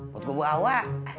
buat gue buawa